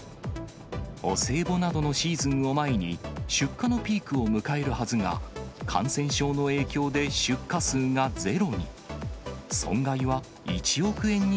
お歳暮などのシーズンを前に、出荷のピークを迎えるはずが、感染症の影響で出荷数がゼロに。